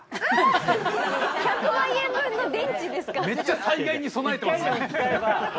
めっちゃ災害に備えてますね。